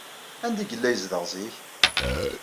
Anda ay yella yezdeɣ zik?